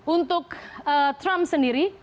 untuk trump sendiri